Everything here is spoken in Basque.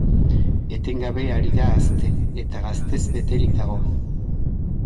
Etengabe ari da hazten, eta gaztez beterik dago.